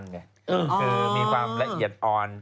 คือมีความละเอียดอ่อน